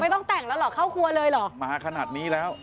ต้องแต่งแล้วเหรอเข้าครัวเลยเหรอมาขนาดนี้แล้ว